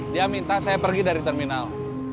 dia minta saya pergi dari terminal